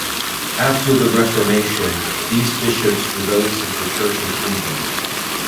After the Reformation, these bishops were those of the Church of England.